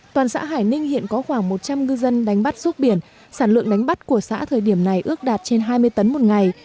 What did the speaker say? toàn xã hải ninh hiện có khoảng một trăm linh ngư dân đánh bắt ruốc biển sản lượng đánh bắt của xã thời điểm này ước đạt trên hai mươi tấn một ngày